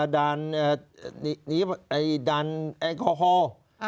ด่านแอลกอฮอล์